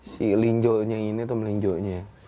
si linjonya ini atau melinjonya